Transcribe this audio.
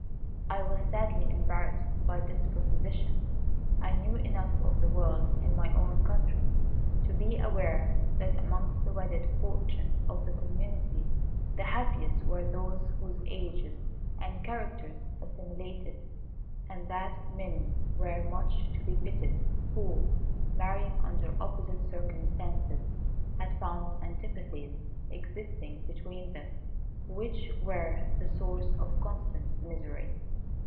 I was sadly embarrassed by this proposition. I knew enough of the world in my own country, to be aware that amongst the wedded portion of the community the happiest were those whose ages and characters assimilated, and that many were much to be pitied who, marrying under opposite circumstances, had found antipathies existing between them which were the source of constant misery.